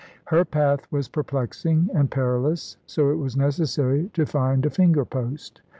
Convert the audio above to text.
Her path was perplexing and perilous, so it was necessary to find a finger post.